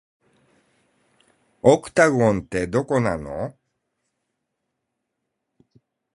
オクタゴンって、どこなの